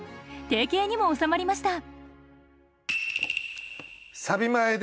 定型にも収まりました。